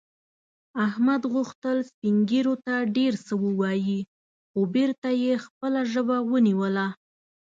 احمد غوښتل سپین ږیرو ته ډېر څه ووايي، خو بېرته یې خپله ژبه ونیوله.